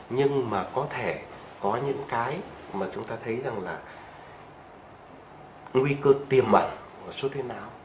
nhưng mà có thể có những cái mà chúng ta thấy rằng là nguy cơ tiềm ẩn của suốt huyết não